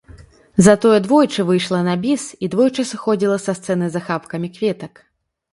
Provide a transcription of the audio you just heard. Затое двойчы выйшла на біс і двойчы сыходзіла са сцэны з ахапкамі кветак.